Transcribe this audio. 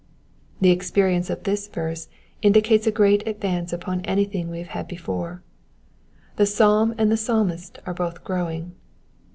The experience of this verse indicates a great advance upon anything we have had before : the psalm and the Psalmist are both growing.